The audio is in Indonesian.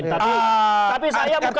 tapi saya menurutmu